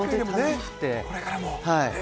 これからも。